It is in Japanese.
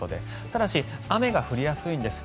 ただし、雨が降りやすいんです。